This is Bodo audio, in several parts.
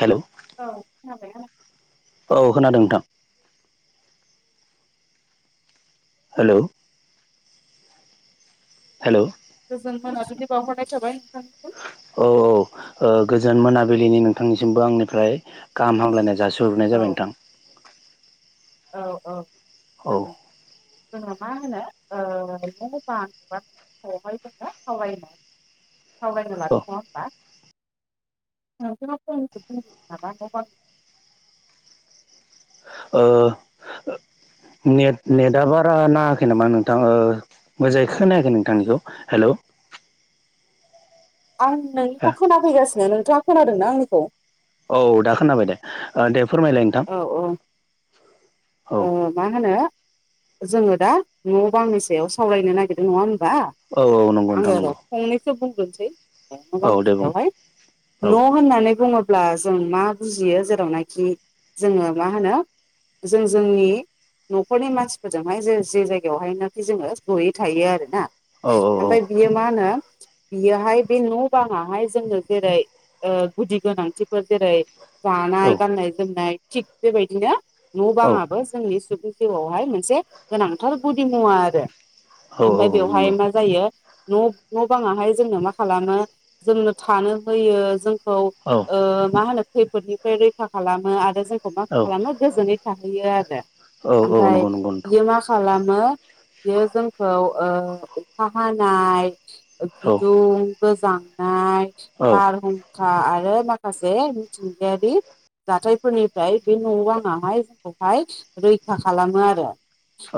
हेलौ औ खोनाबायना औ खोनादों नोंथां। हेलौ हेलौ गोजोन मोनाबिलि बावहरनाय थाबाय। नोंथांनिसिम। औ औ ओ गोजोन मोनाबि बिलिनि नोंथांनिसिमबो आंनिफ्राय गाहाम हामलायनाय जासिहरग्रोनाय औ जाबाय नोंथां। औ औ औ जागोन जोंना मा होनो औ [unintelligible] [unintelligible] [unintelligible] [inaudible] ओ नेट नेटा बारा नाङाखै नामा नोंथां मोजाङै खोनायाखै नोंथांनिखौ हेलौ आं नोंनिखौ खोनाफैगासिनो नोंथाङा खोनादोंना आंनिखौ? औ दा खोनाबाय दे ओ दे फोरमायलाय नोंथां औ औ औ ओ मा होनो जोङो दा न' बांनि सायाव सावरायनो नागिरदों नङा बा औ औ नंगौ नोंथां आङो र नंगौ फंनैसो बुंगोनसै दंफां औ दे बुं फांसेयावहाय औ न' होननानै बुङोब ब्ला जों मा बुजियो जेरावनाखि जोङो मा होनो जों जोंनि न'खरनि मानसिफोरजोंहाय जे जे जायगायावहायनोखि जोङो जयै थायो आरो ना। औ औ औ ओमफाय बियो मा होनो बियोहाय बे न' बाङाहाय जोंनो जेरै ओ गुदि गोनांथिफोर जेरै जानाय गाननाय जोमनाय थिग बेबायदिनो न' औ बाङाबो जोंनि सुबुं जिउआवहाय मोनसे गोनांथार गुदि मुवा आरो औ ओमफ्राय औ बेवहाय नंगौ मा जायो न' न' बाङाहाय जोंनो मा खालामो जोंनो थानो होयो जों खौ औ ओ माहोनो खैफोदनिफ्राय रैखा खालामो आरो जों मा औ खालामो गोजोनै थाहैयो आरो औ औ आमफाय नंगौ नंगौ नोंथां बियो मा खालाम मो बियो जोंखौ ओ अखा हानाय औ बिदुं गोजांनाय औ औ बारहुंखा आरो माखासे मिथिंगायारि जाथायफोरनिफ्राय बे न'बाङाहाय जोंखौहाय रैखा खालामो आरो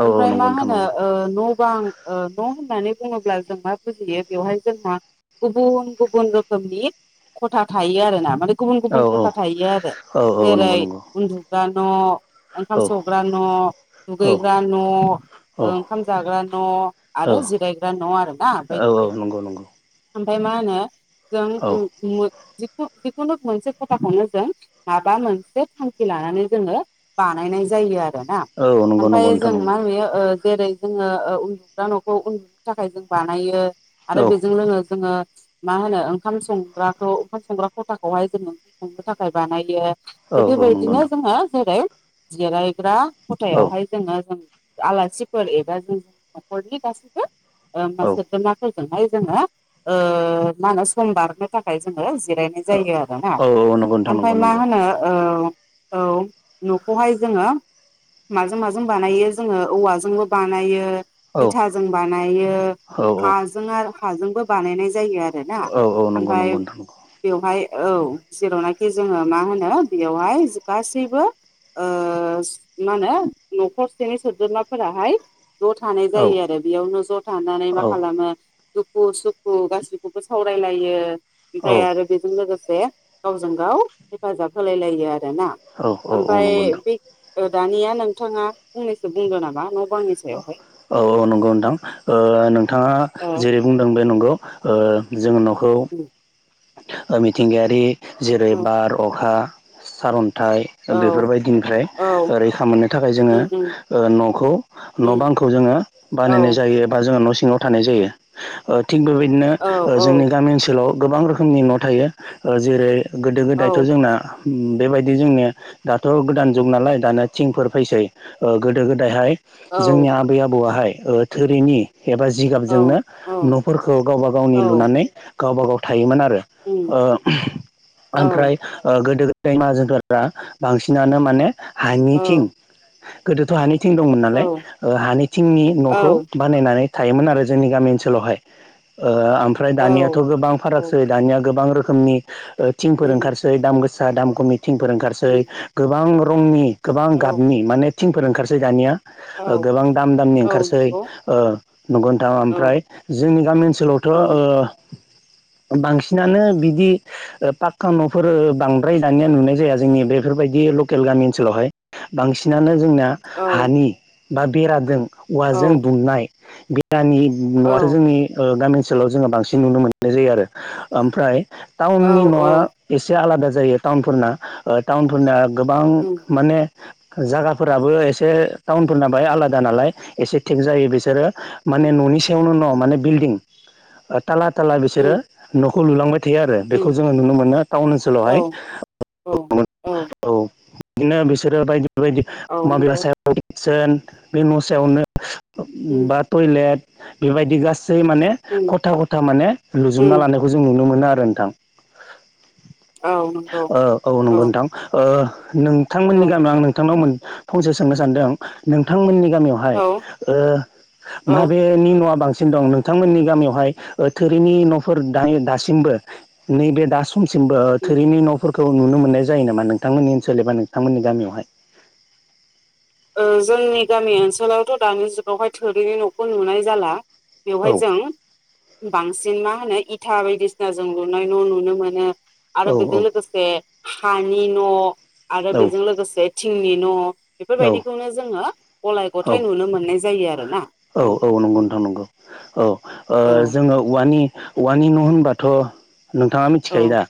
औ ओमफ्राय नंगौ मा नोंथां होनो नंगौ ओ न' न' बां ओ न' होननानै बुङोब्ला जों मा बुजियो बेवहाय जोंहा गुबुन गुबुन रोखोमनि खथा थायो आरो ना माने गुबुन औ गुबुन औ खथा थायो आ औ औ नंगौ नंगौ। थाग्रा न' औ ओंखाम संग्रा न' औ दुगैग्रा न' औ ओंखाम जाग्रा न' औ आरो जिरायग्रा न' आरोना औ बायदि औ बायदि। नंगौ नंगौ आमफाय मा होनो जों औ उम-जिखुनु जिखुनु मोनसे खथाखौनो जों माबा मोनसे थांखि लानानै जोङो बानायनाय जायो आरो ना औ नंगौ नंगौ ओमफाय नोंथां जों नंगौ मा नुयो ओ जेरै जोङो ओ उन्दुग्रा न'खौ उन्दुनो थाखाय जों बानायो आरो औ बेजों जोङो मा होनो ओंखाम संग्राखौ ओंखाम संग्रा खथाखौहाय जोङो ओंखाम संनो थाखाय बानायो। औ दा औ नंगौ बेबायदिनो नोंथां जोङो जेरै जिरायग्रा औ खथायावहाय जोङो जों आलासिफोर एबा जों न'खरनि गासिबो औ ओ सोद्रोमाफोर हाय जोंहा ओ मा होनो सम बारनो थाखाय जों जिरायनाय जायो आरोना औ नंगौ नोंथां ओमफफ्राय नंगौ मा नंगौ होनो ओ औ न'खौहाय जोङो। माजों माजों बानायो जोङो औवाजोंबो बानायो। औ इथाजों बानायो औ हाजों आरो हाजोंबो बानायनाय जायो आरो। आरोना औ औ नंगौ ओमफाय नंगौ नोंथां नंगौ बेवहाय औ जेरावनाखि बे जोङो मा होनो बेयावहाय गासैबो ओ मा होनो न'खरसेनि सोद्रोमाफोराहाय ज' थानाय औ जायो आरो बेयावनो ज' थानानै औ मा औ खालामो दुखु सुखु गासिखौबो सावरायलायो ओमफ्राय आरो बेजों लोगोसे गाव गावजों गाव हेफाजाब होलाय लायो आरोना औ औ ओमफाय नंगौ नोंथां बे ओ दानिया नोंथाङा फंनैसो बुंदों नामा न बांनि सायावहाय औ औ नंगौ नोंथां ओ नोंथाङा ओ जेरै बुंदों बे नंगौ ओ जों न'खौ ओ मिथिंगायारि जेरै औ बार अखा सारअन थाय औ बेफोरबायदिनिफ्राय औ रैखा मोननो थाखाय जोङो उम उम ओ न'खौ न' उम बां खौ जोङो औ बानायनाय जायो एबा जोङो न' न'आव थानाय जायो ओ थिग बेबायदिनो औ ओ औ जोंनि गामि ओनसोलाव गोबां रोखोम खोमनि न' थायो ओ जेरै गोदो गोदायथ' औ जोंना उम बेबायदि जोंनिया दाथ' गोदान जुग नालाय दाना थिंफोर फैसै ओ गोदो गोदायहाय औ जोंनि आबै आबौवाहाय ओ थोरिनि एबा औ जिगाबजोंनो औ न'फोरखौ गावबा गावनि औ लुनानै गावबा गाव थायोमोन आरो उम ओ औ ओमफ्राय ओ गोदो गो दैमा जोनफोरा बांसिनानो माने हानिथिं औ गोदोथ' हानि थिं दंमोन औ नालाय ओ हानि थिंनि न'खौ औ बानायनानै थायोमोन आरो जोंनि गामि ओनसोलावहाय ओ ओमफ्राय औ दानियाथ' गोबां फाराग औ दानिया गोबां रोखोमनि थिंफोर उम ओंखारसै दाम गोसा दाम कमि थिंफोर ओंखारसै उम गोबां रंनि गोबां औ गाबनि माने थिंफोर ओंखारसै दानिया। औ गोबां दाम दामनि औ ओंखारसै नंगौ ओ नंगौ नोंथां औ ओमफ्राय जोंनि गामि ओनसोलाव थ' औ ओ बांसिनानो बिदि पाका न'फोर बांद्राय दानिया नुनाय जाया जोंनि बेफोरबायदि लकेल गामि ओनसोलावहाय बांसिनानो जोंना औ हानि बा बेराजों औ औवाजों दुमनाय दानि औ न'आथ' जोंनि ओ गामि ओनसोलाव जोङो बांसिन नुनो मोननाय जायो आरो ओमफ्राय औ टाउननि औ न'आ एसे आलादा जायो टाउनफोरना ओ टाउनफोरना गोबां उम माने जागाफोराबो एसे टाउनफोरना बाय आलादा नालाय एसे थेग जायो बिसोरो माने न'नि सायावनो न' माने बिल्डिं थाला ताला उम बिसोरो न'खौ लुलांबाय बिदि आरो उम बेखौ जोङो नुनो मोनो टाउन औ ओनसोलावहाय औ [unintelligible] औ बिदिनो बिसोरो बायदि बायदि औ माबे नंगौ सायावसोन बे न' सायावनो उम बा टयलेट बेबायदि गासै माने उम खथा खथा माने लुज जुमना उम लानायखौ जों नुनो मोनो आरो नोंथां। औ नंगौ औ औ नंगौ नोंथां ओ नोंथांमोननि औ गामियाव आं नोंथांनाव फंसे सोंनो सानदों नोंथांमोननि गामियावहाय औ उम ओ ओ माबेनि न'आ बांसि दं नोंथांमोननि गामियावहाय थोरिनि न'फोर दासिमबो नैबे दा खमसिमबो थोरिनि न'फोर खौ नुनो मोननाय जायो नामा नोंथांमोननि ओनसोल एबा नोंथांमोननि गामियावहाय? ओ जोंनि गामि ओनसोलावथ' दानि जुगावहाय थोरिनि न'खौ नुनाय जाला बेवहाय औ जों बांसिन मा होनो इ इथा बायदिसिना जों लुनाय न' नुनो मोनो आरो औ बेजों लोगोसे हानि न' आरो औ बेजों लोगोसे थिंनि न' बेफोरबायदिखौनो जोङो गलाय औ गथाय नुनो मोननाय जायो आरोना। औ औ ओ औ जोङो उवानि औवानि न' होनबाथ' नोंथाङा औ मिथिखायो दा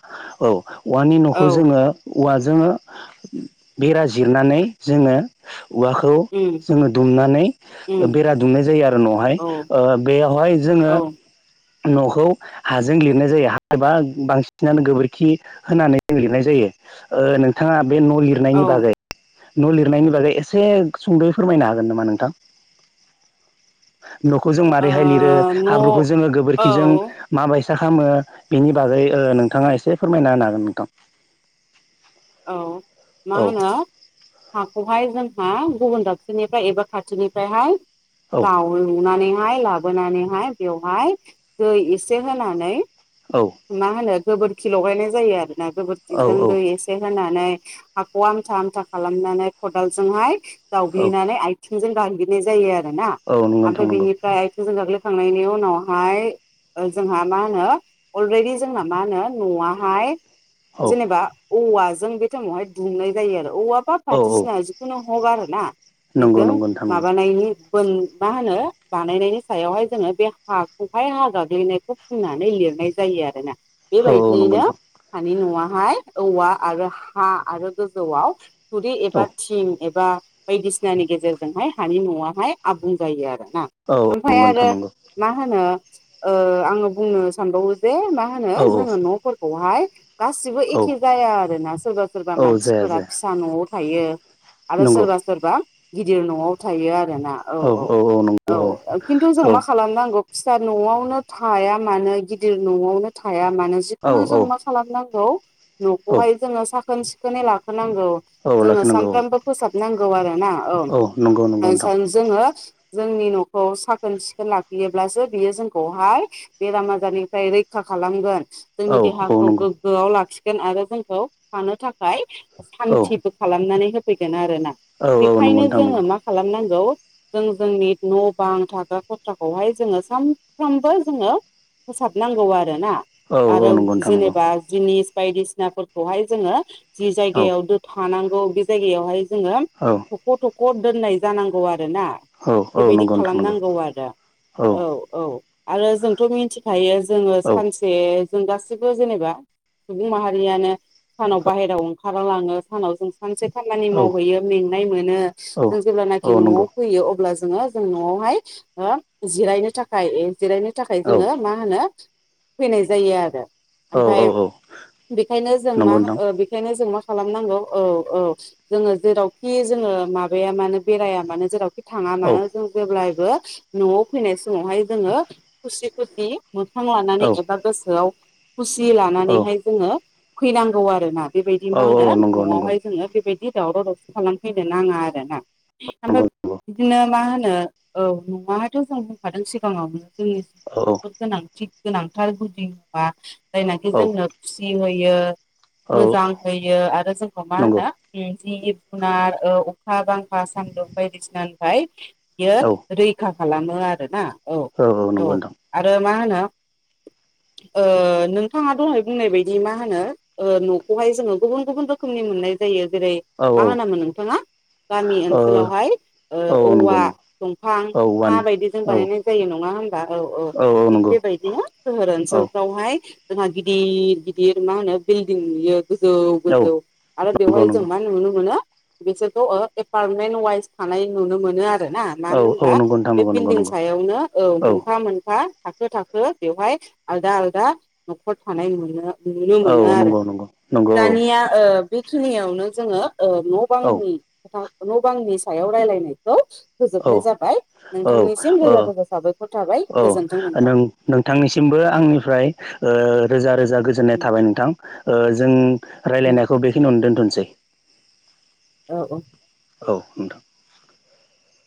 औ औवानि न'खौ औ जोङो औवाजों बेरा जिरनानै जोङो औवाखौ उम जोङो दुमनानै उम बेरा दुमनाय जायो आरो न'हाय औ ओ बेयावहाय जों औ जोङो न'खौ हाजों लिरनाय जायो। हा एबा बांसिनानो गोबोरखि होनानै लिरनाय जायो। ए नोंथाङा बे न' औ लिरनायनि ओ बागै न' लिरनायनि बागै एसे सुंद'यै फोरमायनो हागोन नामा नोंथां? न'खौ जों मारैहाय लिरो न' हाब्रुखौ जोङो औ गोबोरखिजों माबा फैसा खामो बिनि बागै नोंथाङा एसे फोरमायना होन हागोन नोंथां। औ मा औ होनो हाखौहाय जों हा गुबुन दाबसेनिफ्राय एबा खाथिनिफ्रायहाय औ जाव लुनानै लाबोनानैहाय बेवहाय दै एसे होनानै औ मा होनो गोबोरखि लगायनाय जायो आरो ना गोबोरखिजों औ दै एसे होनानै हाखौ आमथा आमथा खालामनानै खदालजोंहाय औ जावग्लिनानै आथिंजों गाग्लि नाय जायो आरोना नंगौ नोंथां आमफाय नंगौ बिनिफ्राय थोजों गाग्लोब थांनायनि उनावहाय जोंहा मा होनो अलरेडि जोंना मा होनो न'आहाय औ जेनेबा औवाजों बे टइमआवहाय दुमनाय जायो आरो। औवा माबा औ फाटिसिना जिखुनु हग आरोना नंगौ बेजों नंगौ नोंथां नंगौ माबानायनि [unintelligible] मा होनो बानायनायनि सायावहाय जोङो बे हा खौखाय हा गाग्लिनायखौ फुननानै लिरनाय जायो आरोना। औ औ नंगौ बेबायदियैनो नोंथां दानि न'आहाय औवा आरो हा आरो गोजौआव थुरि औ एबा थिं एबा बायदिसिनानि गेजेरजोंहाय हानि न'आहाय आबुं जायो आरो। ना औ ओमफाय नंगौ नोंथां आरो नंगौ मा होनो ओ आङो बुंनो सानबावो जे मा होनो औ जोङो औ न'फोरखौहाय गासिबो एखे औ जाया आरोना सोरबा सोरबा औ जाया मानसिफोरा जाया फिसा न'आव थायो। आरो नंगौ सोरबा सोरबा गिदिर न'आव थायो आ रोना औ औ औ खिन्थु औ जों मा खालामनांगौ फिसा न'आवनो थाया मानो गिदिर न'आवनो थाया मानो औ जिखुनु औ जों मा खालामनांगौ औ न'खौहाय जोङो साखोन सिखोनै लाखोनांगौ औ जोङो लाखिनांगौ सानफ्रामबो फोसाबनांगौ आरो। ना औ नंगौ नंगौ नोंथां [unintelligible] जोङो जोंनि न'खौ साखोन सिखोन लाखियोब्लासो बियो जोंखौहाय बेराम आजारनि रैखा खालामगोन औ जोंनि औ देहाखौ नंगौ गोग्गोआव लाखि गौन आरो जोंखौ थानो थाखाय औ सान्थिबो खालामनानै होफैगोन आरो। आरोना औ औ नंगौ बेखायनो नोंथां जोङो नंगौ मा खालामनांगौ जों जोंनि न' बां थाग्रा खथ्राखौहाय जोङो सानफ्रोमबो जोङो फोसाबनांगौ आरोना औ औ आरो नंगौ नोंथां नंगौ जेनेबा जिनिस बायदिसिनाफोरखौहाय जोङो जि औ जायगायाव दो थानांगौ बे जायगायावहाय जोङो औ थख' थख' दोननाय जानांगौ आ रोना औ औ बेबायदि नंगौ नोंथां नंगौ खालामनांगौ आरो औ औ आरो जोंथ' मिथि थायो जोङो औ सानसे जों गासिबो जेनेबा सुबुं माहारियानो सानाव बाहेरायाव ओंखारालाङो सानाव जों सानससे खामानि औ मावहैयो मेंनाय मोनो औ जों जेब्लानाखि औ न'आव नंगौ फैयो अब्ला जोङो जों न'आवहाय हो जिरायनो थाखाय जिरायनो थाखाय औ जोङो मा होनो फैनाय जायो आरो। औ ओमफाय औ बेखायनो जों मा नंगौ नोंथां ओ बेखायनो जों मा खालामनांगौ औ औ जोङो जेरावखि जोङो माबाया मानो बेराया मानो जेरावखि थाङा औ मानो जों जेब्लायबो न'आव फैनाय समावहाय जोङो खुसि खुसि मोखां लानानै औ एबा गोसोआव खुसि औ लानानैहाय जोङो फैनांगौ आरोना। बेबायदि मा होनो औ नंगौ नंगौ न'आवहाय जोङो बेबायदि दावराव दावसि खालामफैनो नाङा आरोना। ओमफाय नंगौ बिदिनो मा होनो ओ न'आहाथ' जों बुंखादों औ सिगाङावनो। [inaudible] गोनांथि गोनांथार गुदि मुवा जायनाखि औ जोंनो खुसि होयो। औ मोजां होयो आरो जोंखौ मा होनो नंगौ ओम जिब जुनार ओ अखा बांखा सान्दुं बायदिसिनानिफाय बियो औ रैखा खालामो आरो ना। औ औ नंगौ नोंथां। आ माहोनो? ओ नोंथाङा दहाय बुंनाय बायदि मा होनो ओ न'खौहाय जोङो गुबुन गुबुन रोखोमनि मुननाय जायो। जेरै औ मा औ होनामोन नोंथाङा? गामि ओनसोलावहाय ओ औ नंगौ औवा, नंगौ दंफां, औ हा औवानि बायदिजों औ बानायनाय जायो नङा ङा होनबा औ औ थिग बेबायदिनो सोहोर औ ओनसोलफ्रावहाय जोंहा गिदिर गिदिर मा होनो बिल्डिं नुयो। गोजौ औ गोजौ आरो नंगौ बेवहाय जों नंगौ मा नुनो मोनो? बिसोरखौ ओ एपार्टमेन्ट वाइस थानाय नुनो मोनो आ रोना औ मानो औ होनबा नंगौ नोंथां बे नंगौ नंगौ बिल्दिं नंगौ सायावनो औ मोनफा मोन फा थाखो थाखो बेवहाय आलदा आलदा न'खर थानाय नुनो नुनो औ मोनो आरो नंगौ नंगौ नंगौ दानिया ओ बेखिनियावनो जोङो ओ न' औ बांनि खोथा न' बांनि सायाव रायलायनायखौ फोजोबनाय औ जाबाय। नोंथांनिसिम रोजा रोजा साबायखर थाबाय। औ ओ गोजोन्थों नोंथां नों नोंथांनिसिमबो आंनिफ्राय ओ रोजा रोजा गोजोननाय थाबाय नोंथां ओ जों लायरायनायखौ बेखिनियावनो दोन्थ' सै। ओ औ। औ नोंथां।